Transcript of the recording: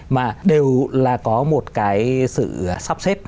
mà đều là có một cái sự sắp xếp